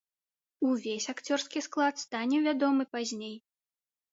Увесь акцёрскі склад стане вядомы пазней.